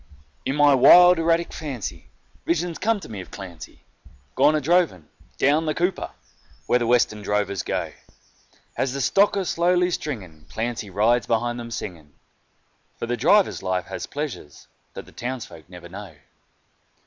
In my wild erratic fancy visions come to me of Clancy Gone a droving "down the Cooper" where the Western drovers go; As the stock are slowly stringing, Clancy rides behind them singing, For the drover's life has pleasures that the townsfolk never know.